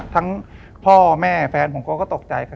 ทั้งพ่อแม่แฟนผมก็ตกใจกัน